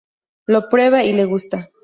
Lo prueba, y le gusta.